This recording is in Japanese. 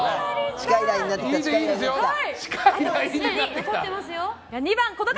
近いラインになってきた！